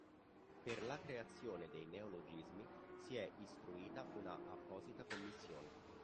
Per la creazione dei neologismi si è istruita una apposita commissione.